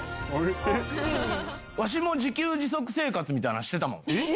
わしも自給自足生活みたいなのしてたもん。